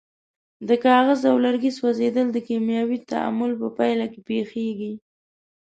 د کاغذ او لرګي سوځیدل د کیمیاوي تعامل په پایله کې پیښیږي.